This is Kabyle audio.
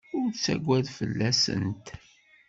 Ur ttaggad fell-asent.